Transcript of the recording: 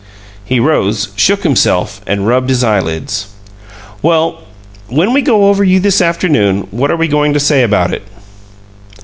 He rose, shook himself, and rubbed his eyelids. "Well, when we go over you this afternoon what are we going to say about it?"